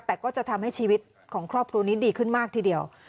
แต่ก็จะทำให้ชีวิตของครอบครัวนี้ดีขึ้นมากทีเดียว